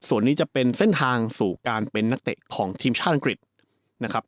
ส่วนนี้จะเป็นเส้นทางสู่การเป็นนักเตะของทีมชาติอังกฤษนะครับ